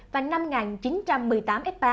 và năm chín trăm một mươi tám f ba